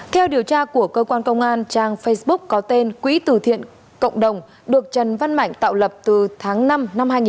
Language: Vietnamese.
theo điều tra của cơ quan công an trang facebook có tên quỹ tử thiện cộng đồng được trần văn mạnh tạo lập từ tháng năm năm hai nghìn một mươi ba